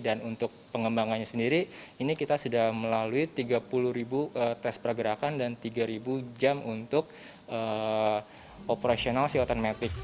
dan untuk pengembangannya sendiri ini kita sudah melalui tiga puluh ribu tes pergerakan dan tiga ribu jam untuk operasional si autonmatic